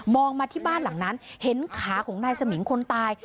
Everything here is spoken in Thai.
มาที่บ้านหลังนั้นเห็นขาของนายสมิงคนตาย